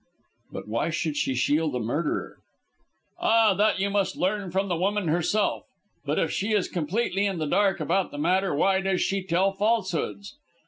"But why should she shield a murderer?" "Ah, that you must learn from the woman herself. But if she is completely in the dark about the matter, why does she tell falsehoods?